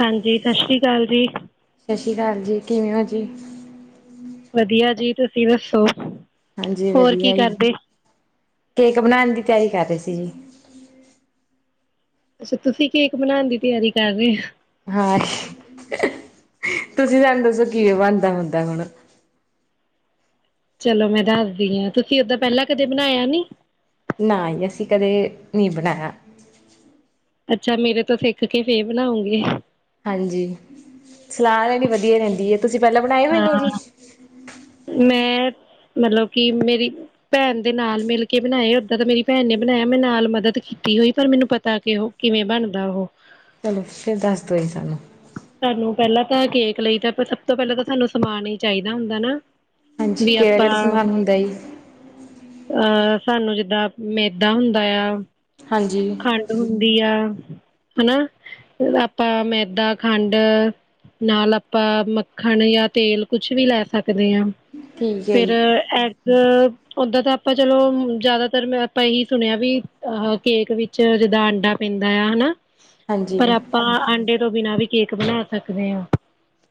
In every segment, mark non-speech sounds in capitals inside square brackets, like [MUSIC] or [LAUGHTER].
ਹਾਂਜੀ ਸਤਿ ਸ੍ਰੀ ਅਕਾਲ ਜੀ। ਕਾਲ ਜੀ ਕਿਵੇਂ ਓ ਜੀ? ਵਧੀਆ ਜੀ ਤੁਸੀਂ ਦੱਸੋ? ਹਾਂਜੀ ਹੋਰ ਕੀ ਵਧੀਆ ਜੀ। ਕਰਦੇ ਕੇਕ ਬਣਾਉਣ ਦੀ ਤਿਆਰੀ ਕਰ ਰਹੇ ਸੀ ਜੀ। ਅੱਛਾ, ਤੁਸੀਂ ਕੇਕ ਬਣਾਉਣ ਦੀ ਤਿਆਰੀ ਕਰ ਰਹੇ ਔ। ਹਾਂ, ਤੁਸੀਂ ਸਾਨੂੰ ਦੱਸੋ ਕਿ ਬਣਦਾ ਹੁੰਦਾ ਹੁਣ। ਚਲੋ ਮੈਂ ਦੱਸਦੀ ਹਾਂ ਤੁਸੀਂ ਓਦਾਂ ਪਹਿਲਾਂ ਕਦੇ ਬਣਾਇਆ ਨੀ? ਨਾ ਅਸੀਂ ਕਦੇ ਨੀ ਬਣਾਇਆ। ਅੱਛਾ, ਮੇਰੇ ਤੋਂ ਸਿੱਖ ਕੇ ਫੇਰ ਬਣਾਉਗੇ। ਹਾਂਜੀ, ਸਲਾਹ ਲੈਕੇ ਵਧੀਆ ਰਹਿੰਦੀ ਹੈ। ਤੁਸੀਂ ਪਹਿਲਾਂ ਬਣਾਏ ਹੋਏ ਨੇ ਹਾਂ ਜੀ। ਮੈਂ ਮਤਲਬ ਕਿ ਮੇਰੀ ਭੈਣ ਦੇ ਨਾਲ ਮਿਲ ਕੇ ਬਣਾਏ। ਓਦਾਂ ਤਾਂ ਮੇਰੀ ਭੈਣ ਨੇ ਬਣਾਇਆ। ਮੈਂ ਨਾਲ ਮਦਦ ਕੀਤੀ ਹੋਈ। ਪਰ ਮੈਨੂੰ ਪਤਾ ਕਿ ਉਹ ਕਿਵੇਂ ਬਣਦਾ ਉਹ। ਚਲੋ ਫਿਰ ਦੱਸਦੋ ਏ ਸਾਨੂੰ। ਸਾਨੂੰ ਪਹਿਲਾਂ ਤਾਂ ਕੇਕ ਲਈ ਤਾਂ ਸਭ ਤੋਂ ਪਹਿਲਾਂ ਤਾਂ ਸਾਨੂੰ ਸਮਾਨ ਹੀ ਚਾਹੀਦਾ ਹੁੰਦਾ ਨਾ। ਹਾਂਜੀ, ਵੀ ਕਿਹੜਾ ਕਿਹੜਾ ਆਪਾਂ ਸਮਾਨ ਹੁੰਦਾ ਜੀ। ਅਹ ਸਾਨੂੰ ਜਿੱਦਾਂ ਮੇਦਾ ਹੁੰਦਾ ਆ। ਹਾਂਜੀ ਖੰਡ ਹੁੰਦੀ ਆ। ਹਨਾ। ਆਪਾਂ ਮੈਦਾ ਖੰਡ ਨਾਲ ਆਪਾਂ ਮੱਖਣ ਜਾਂ ਤੇਲ ਕੁਛ ਵੀ ਲੈ ਸਕਦੇ ਹਾਂ। ਠੀਕ ਹੈ ਫੇਰ ਜੀ ਇੱਕ ਉਦਾਂ ਤਾਂ ਆਪਾਂ ਚਲੋ ਜਿਆਦਾਤਰ ਮੈਂ ਆਪਾਂ ਇਹੀ ਸੁਣਿਆ ਵੀ ਅ ਕੇਕ ਵਿੱਚ ਜਿੱਦਾਂ ਅੰਡਾ ਪੈਂਦਾ ਆ, ਹਨਾ। ਹਾਂਜੀ ਪਰ ਆਪਾਂ ਆਂਡੇ ਤੋਂ ਬਿਨਾਂ ਵੀ ਕੇਕ ਬਣਾ ਸਕਦੇ ਹਾਂ।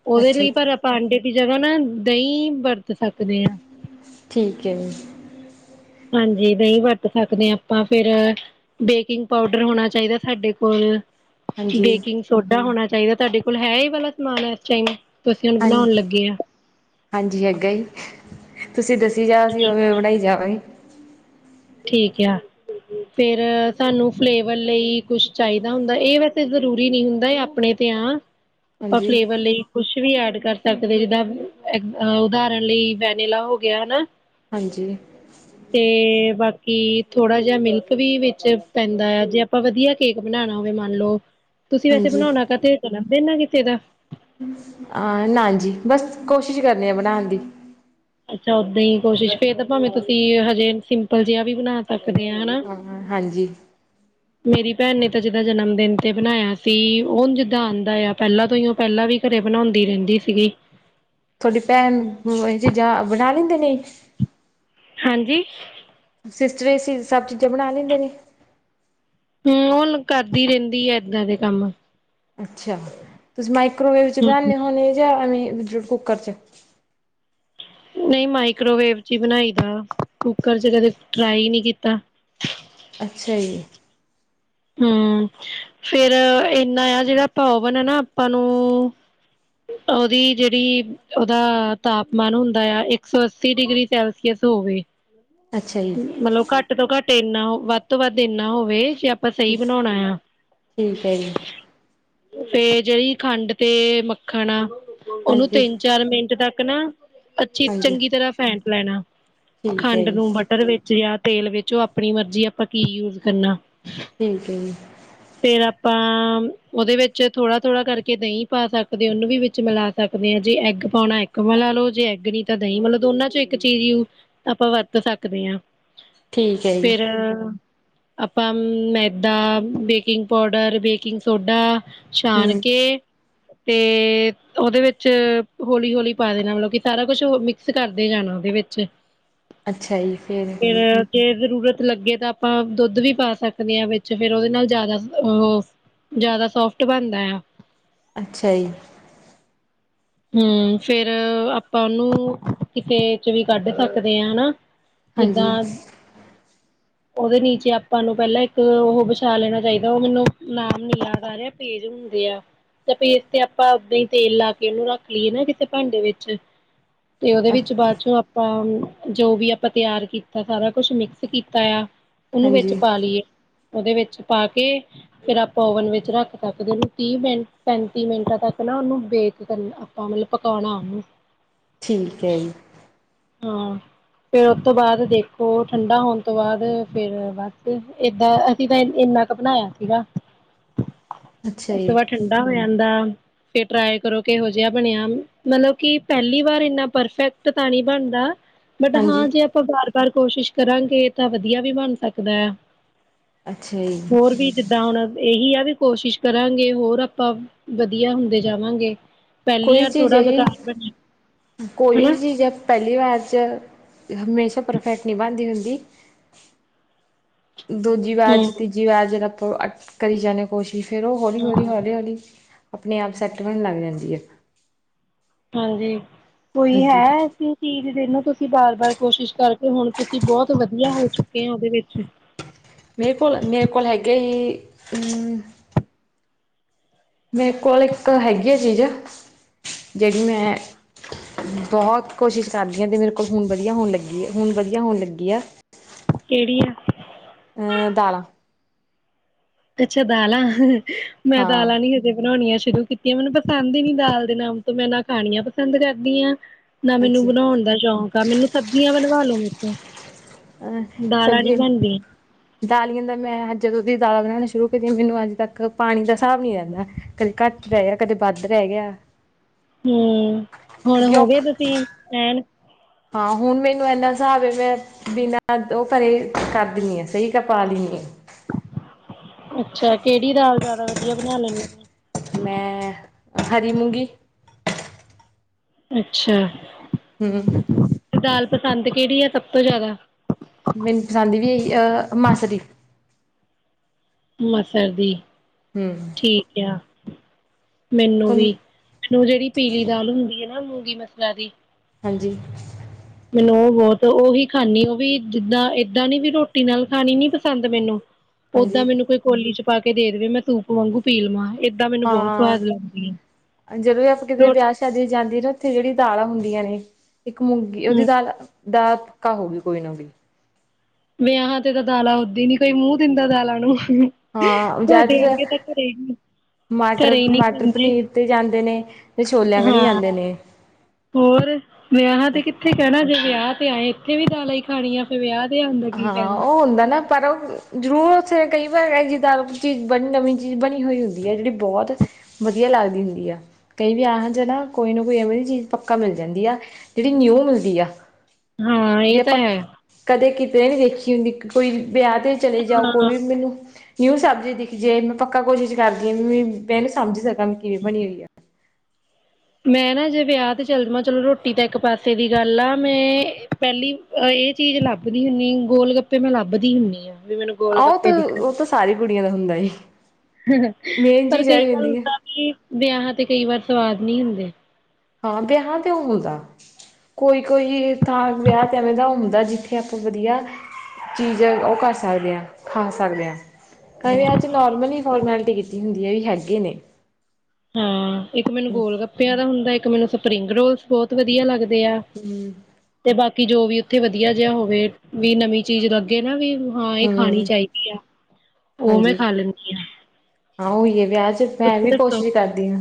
ਉਹਦੇ ਅੱਛਾ ਲਈ ਪਰ ਆਪਾਂ ਆਂਡੇ ਜਗ੍ਹਾ ਨਾ ਦਹੀਂ ਵਰਤ ਸਕਦੇ ਆਂ। ਠੀਕ ਹੈ ਜੀ। ਹਾਂਜੀ। ਦਹੀਂ ਵਰਤ ਸਕਦੇ ਆ। ਆਪਾਂ ਫਿਰ ਬੇਕਿੰਗ ਪਾਊਡਰ ਹੋਣਾ ਚਾਹੀਦਾ ਸਾਡੇ ਕੋਲ। ਹਾਂਜੀ ਬੇਕਿੰਗ ਸੋਡਾ ਹੋਣਾ ਚਾਹੀਦਾ। ਤੁਹਾਡੇ ਕੋਲ ਹੈ ਏ ਵਾਲਾ ਸਮਾਨ ਹੈ ਇਸ ਟਾਈਮ। ਅਸੀਂ ਉਹਨੂੰ ਹਾਂ ਬਣਾਉਣ ਲੱਗੇ ਹਾਂ। ਹਾਂਜੀ ਹੈਗਾ ਜੀ ਤੁਸੀਂ ਦੱਸੀ ਜਾਸੀ ਉਵੇਂ ਉਵੇਂ ਬਣਾਈ ਜਾਵਾਂਗੇ। ਠੀਕ ਆ। ਫੇਰ ਸਾਨੂੰ ਫਲੇਵਰ ਲਈ ਕੁਛ ਚਾਹੀਦਾ ਹੁੰਦਾ। ਇਹ ਵੈਸੇ ਜ਼ਰੂਰੀ ਨਹੀਂ ਹੁੰਦਾ ਆਪਣੇ ਤੇ ਆ। ਆਪਾਂ ਹਾਂਜੀ ਫਲੇਵਰ ਲਈ ਕੁਛ ਵੀ ਐਡ ਕਰ ਸਕਦੇ ਜਿੱਦਾਂ ਉਦਾਹਰਣ ਲਈ ਵੈਨਲਾ ਹੋ ਗਿਆ ਹਨਾ। ਹਾਂਜੀ ਤੇ ਬਾਕੀ ਕਿ ਥੋੜਾ ਜਿਹਾ ਮਿਲਕ ਵੀ ਵਿੱਚ ਪੈਂਦਾ ਆ। ਜੇ ਆਪਾਂ ਵਧੀਆ ਕੇਕ ਬਣਾਉਣਾ ਹੋਵੇ ਮੰਨ ਲਓ। ਤੁਸੀਂ ਵੈਸੇ ਹਾਂਜੀ ਬਣਾਉਣਾ ਕਰਤੇ ਜਨਮਦਿਨ [INAUDIBLE] ਕਿਦਾ? ਹਾਂ, ਨਾਜੀ ਬਸ ਕੋਸ਼ਿਸ਼ ਕਰਨੀੇ ਆ ਬਣਾਣ ਦੀ। ਅੱਛਾ, ਓਦਾਂ ਹੀ ਕੋਸ਼ਿਸ਼ ਫੇ ਤਾਂ ਭਾਵੇਂ ਤੁਸੀਂ ਹਜੇ ਸਿੰਪਲ ਜਿਹਾ ਵੀ ਬਣਾ ਸਕ ਦੇ ਨਾ। ਹਾਂ ਹਾਂਜੀ ਮੇਰੀ ਭੈਣ ਨੇ ਤਾਂ ਜਿਦਾਂ ਜਨਮ ਦਿਨ ਤੇ ਬਣਾਇਆ ਸੀ ਉਹਨੂੰ ਜਿੱਦਾਂ ਆਉਂਦਾ ਆ ਪਹਿਲਾਂ ਤੋਂ ਹੀ ਉਹ ਪਹਿਲਾਂ ਵੀ ਘਰੇ ਬਣਾਉਂਦੀ ਰਹਿੰਦੀ ਸੀਗੀ। ਤੁਹਾਡੀ ਭੈਣ ਇਹ ਚੀਜ਼ਾਂ ਬਣਾ ਲੈਂਦੇ ਨੇ ਹਾਂਜੀ। ਸਿਸਟਰ ਸੀ ਸਭ ਚੀਜ਼ਾਂ ਬਣਾ ਲੈਂਦੇ ਨੇ। ਹੂੰ ਉਹਣ ਕਰਦੀ ਰਹਿੰਦੀ ਹੈ ਏਦਾਂ ਦੇ ਕੰਮ ਅੱਛਾ ਤੁਸੀ ਮਾਈਕ੍ਰੋਵੇਵ ਚ ਹਮ ਬਣਾਣੇ ਹੋਣੇ ਜਾਂਵੇਂ ਮਤਲਬ ਕੁੱਕਰ ਚ ਨਹੀਂ ਮਾਈਕ੍ਰੋਵੇਵ ਚ ਹੀ ਬਣਾਈ ਦਾ ਕੁੱਕਰ ਚ ਕਦੇ ਟਰਾਈ ਨਹੀਂ ਕੀਤਾ। ਅੱਛਾ ਜੀ। ਹੂੰ ਫੇਰ ਇਨਾ ਆ ਜਿਹੜਾ ਭਵਨ ਆ ਨਾ ਆਪਾਂ ਨੂੰ ਉਹਦੀ ਜਿਹੜੀ ਓਦਾ ਤਾਪਮਾਨ ਹੁੰਦਾ ਆ ਇੱਕ ਸੌ ਅੱਸੀ ਡਿਗਰੀ ਸੈਲਸੀਅਸ ਹੋਵੇ। ਅੱਛਾ ਜੀ ਮਤਲਬ ਘੱਟ ਤੋਂ ਘੱਟ ਇੰਨਾ ਵੱਧ ਤੋਂ ਵੱਧ ਇੰਨਾ ਹੋਵੇ ਆਪਾਂ ਸਹੀ ਬਣਾਉਣਾ ਆ। ਠੀਕ ਹੈ ਜੀ ਫੇਰ ਜਿਹੜੀ ਖੰਡ ਤੇ ਮੱਖਣ ਆ ਉਹਨੂੰ ਹਾਂਜੀ ਤਿੰਨ ਚਾਰ ਮਿੰਟ ਤੱਕ ਕਾ ਣਾ ਅੱਛੀ ਹਾਂਜੀ ਚੰਗੀ ਤਰ੍ਹਾਂ ਫੈਟਣਾ ਲੈਣਾ ਠੀਕ ਹੈ ਖੰਡ ਜੀ। ਨੂੰ ਬਟਰ ਵਿੱਚ ਜਾਂ ਤੇਲ ਵਿੱਚੋ ਆਪਣੀ ਮਰਜ਼ੀ ਆਪਾਂ ਕੀ ਯੂਜ ਕਰਨਾ। ਠੀਕ ਹੈ ਜੀ। ਫੇਰ ਆਪਾਂ ਉਹਦੇ ਵਿੱਚ ਥੋੜਾ ਥੋੜ੍ਹਾ ਕਰਕੇ ਦਹੀਂ ਪਾ ਸਕਦੇ ਉਹਨੂੰ ਵੀ ਵਿੱਚ ਮਿਲਾ ਸਕਦੇ ਹਾਂ ਜੇ ਐੱਗ ਪਾਉਣਾ ਇੱਕ ਮਿਲਾ ਲਓ ਜੇ ਐੱਗ ਨੀ ਤਾਂ ਦਹੀਂ ਮਤਲਓ ਦੋਨਾਂ ਚ ਇੱਕ ਚੀਜ਼ ਆਪਾਂ ਵਰਤ ਸਕਦੇ ਤੱਕਦੇ ਹਾਂ ਠੀਕ ਹੈ ਜੀ ਫੇਰ ਆਪਾਂ ਮੈਦਾ, ਬੇਕਿੰਗ ਪਾਊਡਰ, ਬੇਕਿੰਗ ਸੋਡਾ ਛਾਣ ਹਮ ਕੇ ਤੇ ਉਹਦੇ ਵਿੱਚ ਹੌਲੀ ਹੌਲੀ ਪਾ ਦੇਣਾ ਮਤਲਬ ਕਿ ਸਾਰਾ ਕੁਛ ਮਿਕਸ ਕਰਦੇ ਜਾਣਾ ਉਹਦੇ ਵਿੱਚ ਅੱਛਾ ਜੀ ਫਿਰ ਜੇ ਜ਼ਰੂਰਤ ਲੱਗੇ ਤਾਂ ਆਪਾਂ ਦੁੱਧ ਵੀ ਪਾ ਸਕਦੇ ਹਾਂ ਵਿੱਚ ਫੇਰ ਉਹਦੇ ਨਾਲ ਜ਼ਿਆਦਾ ਉਹ ਜ਼ਿਆਦਾ ਸੋਫਟ ਬਣਦਾ ਆ। ਅੱਛਾ ਜੀ। ਹੂੰ ਫੇਰ ਆਪਾਂ ਉਹਨੂੰ ਕਿਸੇ 'ਚ ਵੀ ਕੱਢ ਸਕਦੇ ਹਾਂ ਹਨਾ। ਹਾਂਜੀ ਜਿਦਾਂ ਉਹਦੇ ਨੀਚੇ ਆਪਾਂ ਨੂੰ ਪਹਿਲਾਂ ਇੱਕ ਉਹ ਵਿਛਾ ਲੈਣਾ ਚਾਹੀਦਾ ਉਹ ਮੈਨੂੰ ਨਾਮ ਨੀ ਯਾਦ ਆ ਰਿਹਾ ਪੇਜ ਹੁੰਦੇ ਆ ਤੇ ਪੇਜ ਤੇ ਆਪਾਂ ਉਦਾਂ ਹੀ ਤੇਲ ਲਾ ਕੇ ਉਹਨੂੰ ਰੱਖ- ਖੀਰ ਨਾ ਕਿਸੇ ਭਾਂਡੇ ਵਿੱਚ ਤੇ ਉਹਦੇ ਵਿੱਚ ਬਾਅਦ ਚੋਂ ਆਪਾਂ ਜੋ ਵੀ ਆਪਾਂ ਤਿਆਰ ਕੀਤਾ ਸਾਰਾ ਕੁਛ ਮਿਕਸ ਕੀਤਾ ਆ। ਉਹਨੂੰ ਵਿੱਚ ਹਾਂਜੀ ਪਾ ਲਈਏ। ਉਹਦੇ ਵਿੱਚ ਪਾ ਕੇ ਫੇਰ ਆਪਾਂ ਓਵਨ ਵਿੱਚ ਰੱਖ ਸਕਦੇ ਉਹਨੂੰ ਤੀਹ ਮਿੰਟ ਪੈਂਤੀ ਮਿੰਟਾਂ ਤੱਕ ਨਾ ਉਹਨੂੰ ਬੇਕ ਕਰਨ, ਆਪ ਮਤਲਬ ਪਕਾਣਾ ਉਹਨੂੰ ਠੀਕ ਹੈ ਜੀ, ਹਾਂ ਫੇਰ ਉਹ ਤੋ ਬਾਅਦ ਦੇਖੋ ਠੰਢਾ ਹੋਣ ਤੋਂ ਬਾਅਦ ਫੇਰ ਬਸ ਏਦਾਂ ਅਸੀਂ ਤਾਂ ਇੰਨਾ ਕੁ ਬਣਾਇਆ ਸੀਗਾ। ਅੱਛਾ ਉਸ ਜੀ ਤੋਂ ਬਾਅਦ ਠੰਡਾ ਹੋ ਜਾਂਦਾ। ਫੇਰ ਟਰਾਏ ਕਰੋ ਕਿਹੋ ਜਿ ਬਣਿਆ ਮਤਲਬ ਕਿ ਪਹਿਲੀ ਵਾਰ ਇੰਨਾ ਪਰਫੈਕਟ ਤਾਂ ਨੀ ਬਣਦਾ। ਬਟ ਹਾਂ ਹਾਂਜੀ ਜੇ ਆਪਾਂ ਬ ਪਰ ਕੋਸ਼ਿਸ਼ ਕਰਾਂਗੇ ਤਾਂ ਵਧੀਆ ਵੀ ਬਣ ਸਕਦਾ ਆ। ਅੱਛਾ ਜੀ ਹੋਰ ਵੀ ਜਿੱਦਾਂ ਹੁਣ ਇਹੀ ਆ। ਵੀ ਕੋਸ਼ਿਸ਼ ਕਰਾਂਗੇ ਹੋਰ ਆਪਾਂ ਵਧੀਆ ਹੁੰਦੇ ਜਾਵਾਂਗੇ। ਪਹਿਲੀ ਕੋਈ ਵਾਰ ਚੀਜ਼ ਥੋੜਾ ਹੈ ਜੀ ਬੇਕਾਰ ਬਣਿਆ ਕੋਈ ਹਨਾ ਵੀ ਚੀਜ਼ ਹੈ ਪਹਿਲੀ ਵਾਰ ਚ, ਹਮੇਸ਼ਾ ਪਰਫੈਕਟ ਨੀ ਬਣਦੀ ਹੁੰਦੀ। ਦੂਜੀ ਬਾਰ ਹਮ ਤੀਜੀ ਬਾਰ, ਅਟ ਕਰੀ ਜਾਣੇ ਕੋਸ਼ਿਸ਼, ਫੇਰ ਉਹ ਹਾਂ ਹੌਲੀ-ਹੌਲੀ-ਹੌਲੀ-ਹੌਲੀ, ਆਪਣੇ ਆਪ ਸੈੱਟ ਬਣਨ ਲੱਗ ਜਾਂਦੀ ਆ। ਹਾਂਜੀ, ਕੋਈ ਹੈ ਚੀਜ਼ ਜਿਨੂੰ, ਤੁਸੀਂ ਬਾਰ ਬਾਰ ਕੋਸ਼ਿਸ਼ ਕਰਕੇ ਹੁਣ ਤੁਸੀਂ ਬਹੁਤ ਵਧੀਆ ਹੋ ਚੁੱਕੇ ਆ ਉਹਦੇ ਵਿੱਚ ਮੇਰੇ ਕੋਲ ਮੇਰੇ ਕੋਲ ਹੈਗੇ ਜੀ ਅਮ, ਮੇਰੇ ਕੋਲ ਇੱਕ ਹੈਗੀ ਆ ਚੀਜ਼ ਜਿਹੜੀ ਮੈਂ ਬਹੁਤ ਕੋਸ਼ਿਸ਼ ਕਰਦੀ ਹਾਂ ਅਤੇ ਮੇਰੇ ਕੋਲ ਹੁਣ ਵਧੀਆ ਹੋਣ ਲੱਗੀ ਹੁਣ ਵਧੀਆ ਹੋਣ ਲੱਗੀ ਆ। ਕਿਹੜੀ ਆ, ਅਹ ਦਾਲਾਂ, ਅੱਛਾ ਦਾਲਾਂ, ਮੈਂ ਹਾਂ ਦਾਲਾਂ ਨੀ ਹਜੇ ਬਣਾਣੀਆਂ। ਸ਼ੁਰੂ ਕੀਤੀਆਂ ਮੈਨੂੰ ਪਸੰਦ ਹੀ ਨੀ ਦਾਲ ਦੇ ਨਾਮ ਤੋਂ ਮੈਂ ਨਾ ਖਾਣੀਆਂ ਪਸੰਦ ਕਰਦੀ ਆ, ਨਾ ਮੈਨੂੰ ਅੱਛਾ ਬਣਾਣ ਦਾ ਸ਼ੌਂਕ ਆ ਮੈਨੂੰ ਸਬਜ਼ੀਆਂ ਬਣਵਾ ਲਓ। ਅੱਛਾ, ਅਹ ਸਬਜ਼ੀਆਂ ਦਾਲੀਆਂ ਦਾ ਮੈਂ ਜਦੋਂ ਦੀ, ਦਾਲਾਂ ਬਣਾਣਾ ਸ਼ੁਰੂ ਕਰ ਮੈਨੂੰ ਅੱਜ ਤੱਕ ਪਾਣੀ ਦਾ ਹਿਸਾਬ ਨੀ ਰੈਦਾ ਕਦੇ ਘੱਟ ਰਹਿ ਗਿਆ ਕਦੇ ਵੱਧ ਰਹਿ ਗਿਆ। ਹੂੰ, ਹੁਣ ਕਿਉਂਕਿ ਔ ਹੋਗੇ ਤੁਸੀਂ ਐਣ ਹਾਂ ਹੁਣ ਮੈਨੂੰ ਇਨਾ ਹਿਸਾਬ ਹੈ ਮੈਂ ਬਿਨਾਂ ਉਹ ਘਰੇ ਕਰ ਦਿੰਣੀ ਆ ਸਹੀ ਕਰ ਪਾ ਲਣੀ ਆ। ਅੱਛਾ, ਕਿਹੜੀ ਦਾਲ ਜਿਆਦਾ ਵਧੀਆ ਬਣਾ ਲੈਂਨੇ ਔ। ਮੈਂ ਹਰੀ ਮੂੰਗੀ, ਅੱਛਾ, ਹੂੰ, ਗ ਪਸੰਦ ਕਿਹੜੀ ਆ ਸਭ ਤੋਂ ਜ਼ਿਆਦਾ, ਮੈਨੂੰ ਪਸੰਦ ਵੀ ਇਹੀ ਅ ਮਾਸਰੀ ਮਸਰ ਦੀ ਹੂੰ ਠੀਕ ਆ। ਮੈਨੂੰ ਵੀ, ਤੁਹਾਨੂੰ ਓ ਜਿਹੜੀ ਪੀਲੀ ਦਾਲ ਹੁੰਦੀ ਹੈ। ਮੂੰਗੀ ਮਸਰਾਂ ਦੀ ਹਾਂਜੀ। ਓ ਬਹੁਤ ਉਹੀ ਖਾਂਣੀ, ਉਹ ਵੀ ਜਿੱਦਾਂ ਏਦਾਂ ਨਈ, ਰੋਟੀ ਨਾਲ ਖਾਣੀ ਨਈ ਪਸੰਦ ਮੈਨੂੰ। ਓਦਾ, ਹਾਂਜੀ ਮੈਨੂੰ ਕੋਈ ਕੋਲੀ ਚ ਪਾ ਕੇ ਦੇਵੇ ਮੈਂ ਸੂਪ, ਵਾਂਗੂ ਪੀ ਲਵਾਂ। ਏਦਾਂ ਮੈਨੂੰ ਬਹੁਤ ਸਵਾਦ ਲੱਗਦੀ ਹੈ ਹਾਂ ਜਦੋਂ ਵੀਅਸੀਂ ਕਿਤੇ ਰੋ ਵਿਆਹ ਸ਼ਾਦੀ ਜਾਂਦੀ ਆ ਉੱਥੇ ਜਿਹੜੀ ਦਾਲਾਂ ਹੁੰਦੀ ਗਿਆਨੀ। ਇੱਕ ਮੂੰਗੀ, ਉਹਦੀ ਹਮ ਦਾਲ ਦਾ ਪੱਕਾ ਹੋਗੀ, ਕੋਈ ਨਾ ਓਵੀ। ਵਿਆਹਾਂ, ਤੇ ਤਾਂ ਦਾਲਾਂ ਹੁੰਦੀ ਨੀ, ਕੋਈ ਮੂੰਹ ਦਿੰਦਾ ਦਾਲਾਂ ਨੂੰ। ਹਾ ਜਾਇਦਾ ਸਾਡੇ ਵਰਗੇ ਜਾਇਦਾ ਤਾਂ ਘਰੇ ਹੀ ਘਰੇ ਹੀ ਨਹੀਂ ਮਟਰ ਖਾਂਦੇ ਪਨੀਰ, ਤੇ ਜਾਂਦੇ ਨੇ। ਤੇ ਛੋਲਿਆਂ ਕਣੀ ਹਾਂ, ਜਾਂਦੇ ਨੇ ਹੋਰ ਵਿਆਹਾਂ ਤੇ ਕਿੱਥੇ ਕਹਿਣਾ ਜੇ ਵਿਆਹ। ਤੇ ਆਏਂ ਇੱਥੇ ਵੀ ਦਾਲਾ, ਹੀ ਖਾਣੀ ਆ ਤੇ ਵਿਆਹ ਤੇ ਆਉਣ ਦਾ ਕੀ ਹਾਂ ਹਾਂ, ਫਾਇਦਾ ਉਹ ਹੁੰਦਾ ਨਾ ਪਰ ਉਹ ਜ਼ਰੂਰ ਕਈ ਵਾਰ ਜਿੱਦਾਂ ਚੀਜ਼ ਬਣੀ, ਨਵੀਂ ਚੀਜ਼ ਬਣੀ, ਹੋਈ ਹੁੰਦੀ ਆ, ਜਿਹੜੀ ਬਹੁਤ ਵਧੀਆ ਲੱਗਦੀ ਹੁੰਦੀ ਆ ਕਈ ਵੀ ਇਹੋ ਜਿ ਨਾ ਕੋਈ ਨਾ ਕੋਈ ਐਵੇਂ ਚੀਜ਼ ਪੱਕਾ ਮਿਲ ਜਾਂਦੀ ਆ, ਜਿਹੜੀ ਨਿਊ ਮਿਲਦੀ ਆ। ਹਾਂ ਇਹ ਦੇ ਤਾਂ ਪਕ ਹੈ ਕਦੇ ਕਿਤੇ, ਦੇ ਹੈਖੀ ਹੁੰਦੀ ਕੁਈ। ਵਿਆਹ, ਤੇ ਚਲੇ ਜਾਓ, ਕੋਈ ਹਾਂ ਵੀ ਮੈਨੂੰ ਨਿਊ ਸਬਜੀ, ਦਿਖ ਜੇ ਮੈਂ ਪੱਕਾ ਕੋਸ਼ਿਸ਼ ਕਰਦੀ ਹਾਂ। ਵੀ, ਮੈਂ ਇਹਨੂੰ ਸਮਝ ਸਕਾਂ ਕਿਵੇਂ ਬਣੀ ਹੋਈ ਆ। ਮੈਂ ਨਾ ਜੇ ਵਿਆਹ ਤੇ ਚੱਲ ਜਾਵਾਂ, ਚਲੋ ਰੋਟੀ ਤਾਂ ਇੱਕ ਪਾਸੇ ਦੀ ਗੱਲ ਆ, ਮੈਂ ਪਹਿਲੀ ਇਹ ਚੀਜ਼ ਲੱਭਦੀ ਹੁੰਦੀ ਗੋਲ ਗੱਪੇ, ਮੈਂ ਲੱਭਦੀ ਹੁੰਦੀ ਹਾਂ। ਆਹੋ, ਤਾਂ ਉਹ ਤਾਂ ਸਾਰੀ ਕੁੜ ਦੀਆਂ ਹੁੰਦਾ ਆ ਪਰ ਕਈ ਵਾਰ ਹੁੰਦਾ ਕੀ, ਏ ਵਿਆਹਾ ਤੇ ਕਈ ਵਾਰ ਸਵਾਦ। ਨਹੀਂ ਹੁੰਦੇ। ਹਾਂ ਵਿਆਹ ਤੇ ਹੁੰਦਾ ਕੋਈ--ਕੋਈ ਤਾਂ ਵਿਆਹ ਤੇ ਐਵੇਂ ਦਾ ਹੁੰਦਾ ਜਿੱਥੇ ਆਪਾਂ ਵਧੀਆ ਚੀਜਾ, ਉਹ ਕਰ ਸਕਦੇ ਹਾਂ, ਖਾ ਸਕਦੇ ਹਾਂ। ਕਈਆਂ, ਚ ਨੋਰਮਲੀ ਫੋਰਮੈਲਿਟੀ, ਕੀਤੀ ਹੁੰਦੀ। ਮੇਰੀ, ਹੈਗੀ ਨੇ ਹਾਂ, ਇੱਕ ਮੈਨੂੰ ਹਮ ਗੋਲ ਗੱਪਿਆਂ ਦਾ ਹੁੰਦਾ ਇੱਕ ਮੈਨੂੰ ਸਪਰਿੰਗ ਰੋਲਸ ਬਹੁਤ ਵਧੀਆ ਲੱਗਦੇ। ਤੇ ਆ ਤੇ ਬਾਕੀ ਜੋ ਵੀ ਤੇ ਵਧੀਆ ਜਿਹਾ ਹੋਵੇ। ਵੀ ਨਵੀਂ ਚੀਜ਼, ਲੱਗੇ ਨਾ ਵੀ। ਹਾਂ, ਇਹ ਖਾਣੀ ਹਮ ਚਾਹੀਦੀ ਆ, ਉਹ ਮੈਂ ਹਾਂਜੀ ਖਾ ਲੈਂਦੀ ਹਾਂ। ਹਾਂ ਓਈ ਏ। ਵਿਆਹ ਚ ਮੈਂ ਤੁਸੀਂ ਵੀ ਦੱਸੋ ਕੋਸ਼ਿਸ਼ ਕਰਦੀ ਹਾਂ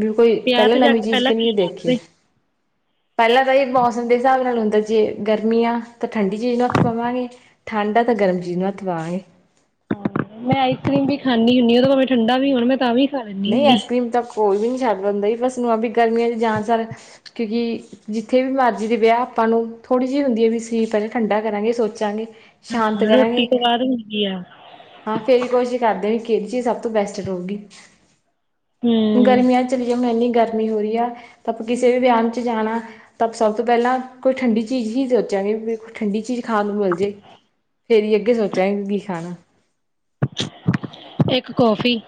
ਬੀ ਕੋਈ ਵਿਆਹ ਪਹਿਲਾਂ ਤੇ ਜਾ ਨਵੀਂ ਕੇ ਚੀਜ਼ ਪਹਿਲਾਂ ਕੀ ਕਿਨੀ ਦੇਖੀਏ। ਕਰਦੇ ਪੈਲਾਂ ਤਾਂ ਇਹ ਮੌਸਮ ਦੇ ਹਿਸਾਬ ਨਾਲ ਹੁੰਦਾ ਜੇ ਗਰਮੀ ਆ ਤਾਂ ਠੰਡੀ ਚੀਜ਼ ਨੂੰ ਹੱਥ ਪਾਵਾਂਗੇ ਠੰਡ ਆ ਤਾਂ ਗਰਮ ਚੀਜ਼ ਨੂੰ ਹੱਥ ਪਾਵਾਂਗੇ। ਮੈਂ ਆਈਸ ਕਰ੍ਰੀਮ ਵੀ ਖਾਨੀ ਹੁਨੀ ਆਂ ਭਾਵੇ ਠੰਡਾ ਵੀ ਹੋਣ ਮੈਂ ਤਾਂ ਵੀ ਖਾ ਲੈਂਦੀ ਨਈ ਹੁੰਦੀ। ਆਈਸ ਕਰ੍ਰੀਮ ਤਾਂ ਕੋਈ ਵੀ ਨੀ ਸ਼ਡ ਹੁੰਦਾ ਬਸ ਨੂੰ ਆਪ ਵੀ ਗਰਮੀਆਂ ਚ ਜਆਦਾ ਤਰ ਕਿਉਂਕਿ ਜਿੱਥੇ ਵੀ ਮਰਜ਼ੀ ਦੇ ਵਿਆਹ ਆਪਾਂ ਨੂੰ ਥੋੜ੍ਹੀ ਜਿਹੀ ਹੁੰਦੀ ਹੈ ਵੀ ਅਸੀ ਪਹਿਲਾਂ ਠੰਡਾ ਕਰਾਂਗੇ ਸੋਚਾਂਗੇ। ਹਾਂ ਸ਼ਾਂਤ ਰੋਟੀ ਕਰਾਂਗੇ ਤੋਂ ਬਾਦ ਹੁੰਦੀ ਆ। ਹਾਂ ਫੇਰ ਵੀ ਕੋਸ਼ਿਸ਼ ਕਰਦੇ ਵੀ ਕੇਹੜੀ ਚੀਜ਼ ਸਭ ਤੋਂ ਬੈਸਟ ਰਹੁਗੀ। ਹੂੰ ਗਰਮੀਆਂ ਚਲੀ ਜਾਏ ਮੈ ਏਨੀ ਗਰਮ ਮੀ ਹੋ ਰਹੀ ਆ ਤਾਂ ਆਪਾਂ ਕਿਸੇ ਵੀ ਵਿਆ ਚ ਜਾਣਾ ਤਾਂ ਸਭ ਤੋਂ ਪਹਿਲਾਂ ਕੋਈ ਠੰਡੀ ਚੀਜ਼ ਹੀ ਸੋਚਾਂਗੇ ਵੀ ਠੰਡੀ ਚੀਜ਼ ਖਾਣ ਨੂੰ ਮਿਲ ਜੇ ਫੇਰ ਹੀ ਅੱਗੇ ਸੋਚਾਂਗੇ ਕੀ ਖਾਣਾ? ਏਕ ਕੌਫੀ।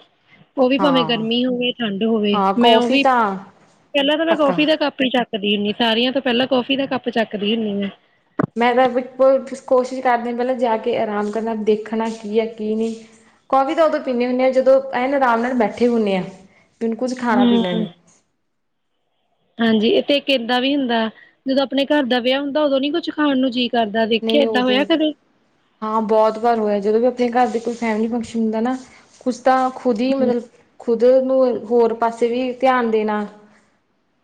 ਓ ਵੀ ਭਾਵੇਂ ਹਾਂ ਗਰਮੀ ਹੋਵੇ ਠੰਡ ਹੋਵੇ ਹਾਂ ਮੈਂ ਓ ਕੌਫੀ ਵੀ ਤਾਂ ਪਹਿਲਾਂ ਤਾਂ ਮੈਂ ਪੱਕਾ ਕੌਫੀ ਦਾ ਕੱਪ ਹੀ ਚੱਕਦੀ ਹੁੰਨੀ ਸਾਰੇਆਂ ਤੋਂ ਪਹਿਲਾਂ ਕੌਫੀ ਦਾ ਕੱਪ ਪ ਚੱਕਦੀ ਹੁੰਨੀ ਆ। ਮੈਂ ਤਾਂ ਕੋ ਕੋਸ਼ਿਸ਼ ਕਰਦੀ ਪਹਿਲਾਂ ਜਾ ਕੇ ਆਰਾਮ ਕਰਨਾ ਦੇਖਣਾ ਕੀ ਹੈ ਕੀ ਨੀ ਕੌਫੀ ਤਾਂ ਉਦੋਂ ਪੀਂਦੇ ਹੁੰਨੇ ਆ ਜਦੋਂ ਐਨ ਆਰਾਮ ਨਾਲ ਬੈਠੇ ਹੁੰਨੇ ਆਂ। ਨੂੰ ਕੁਝ ਖਾਣਾ ਪੀਣਾ ਹੂੰ ਨਈ। ਹਾਂਜੀ ਤੇ ਏਕ ਏਦਾਂ ਵੀ ਹੁੰਦਾ ਜਦੋਂ ਆਪਣੇ ਘਰ ਦਾ ਵਿਆਹ ਹੁੰਦਾ ਉਦੋਂ ਨੀ ਕੁਛ ਖਾਣ ਨੂੰ ਜੀ ਨਈ ਓਦੋਂ ਹਾਂ ਬਹੁਤ ਵਾਰ ਹੋਇਆ ਜਦੋਂ ਵੀ ਜਦ ਘਰ ਦੇ ਕੋਈ ਫੈਮਲੀ ਫੰਕਸ਼ਨ ਹੁੰਦਾ ਨਾ ਉਸ ਤਾਂ ਖੁਦ ਹੀ ਮਤਲਬ ਖੁਦ ਨੂੰ ਹੋਰ ਪਾਸੇ ਵੀ ਧਿਆਨ ਦੇਣਾ।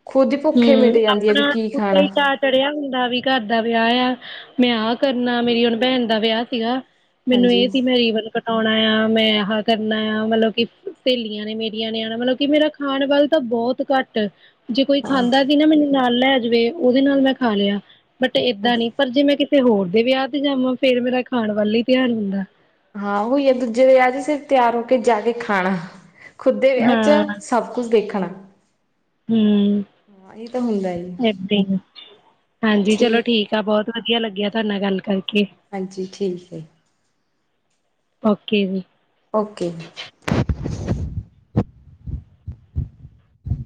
ਖੁਦ ਹੀ ਭੁੱਖੇ ਹੂੰ, ਮਿਟ ਜਾਂਦੀ ਹੈ ਵੀ ਆਪਣਾ ਕੀ ਉਤੇ ਖਾਣਾ ਈ ਚਾ ਚੜਿਆ ਹੁੰਦਾ ਵੀ ਘਰ ਦਾ ਵਿਆਹ ਆ। ਮੈਂ ਆਹ ਕਰਨਾ ਮੇਰੀ ਹੁਣ ਭੈਣ ਦਾ ਵਿਆਹ ਸੀਗਾ। ਮੈਨੂੰ ਹਾਂਜੀ ਏਹ ਸੀ ਮੈਂ ਰੀਵਨ ਕਟਾਣਾ ਆ ਮੈਂ ਅਹ ਕਰਨਾ ਆ ਮਤਲਬ ਕਿ ਸਹੇਲੀਆਂ ਨੇ ਮੇਰੀਆਂ ਨੇ ਆਣਾ ਮਤਲਬ ਕਿ ਮੇਰਾ ਖਾਣ ਵੱਲ ਤਾਂ ਬੋਤ ਘੱਟ ਹਾਂ ਖਾਂਦਾ ਵੀ ਨਾ ਮੈਨੂੰ ਨਾਲ ਲੈ ਜਵੇ ਓਦੇ ਨਾਲ ਮੈਂ ਖਾ ਲਿਆ। ਬਟ ਏਦਾਂ ਨੀ ਪਰ ਜੇ ਮੈਂ ਕਿਤੇ ਹੋਰ ਜੇ ਵਿਆਹ ਤੇ ਜਾਵਾਂ ਫੇਰ ਮੇਰਾ ਖਾਣ ਵੱਲ ਈ ਧਿਆਨ ਹੁੰਦਾ। ਹਾਂ ਓਹੀ ਆ ਦੂਜੇ ਦੇ ਵਿਆਹ ਜੇ ਸਿਰਫ ਤਿਆਰ ਹੋ ਕੇ ਜਾ ਕੇ ਖਾਣਾ। ਖੁਦ ਦੇ ਵਿਆਹ ਚ ਹਾਂ ਸਭ ਕੁਝ ਦੇਖਣਾ। ਹੂੰ ਹਾਂ ਇਹ ਤਾਂ ਹੁੰਦਾ ਹੀ ਏਦਾਂ ਈ, ਹਾਂਜੀ ਚਲੋ ਠੀਕ ਆ ਬੋਤ ਵਧੀਆ ਲੱਗਿਆ ਤਾਡੇ ਨਾਲ ਗੱਲ ਕਰ ਹਾਂਜੀ ਠੀਕ ਏ। ਓਕੇ ਜੀ। ਓਕੇ।